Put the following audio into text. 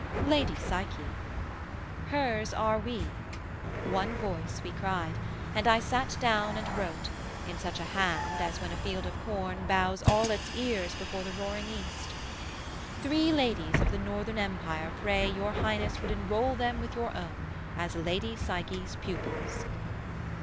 'Lady Psyche.' 'Hers are we,' One voice, we cried; and I sat down and wrote, In such a hand as when a field of corn Bows all its ears before the roaring East; 'Three ladies of the Northern empire pray Your Highness would enroll them with your own, As Lady Psyche's pupils.'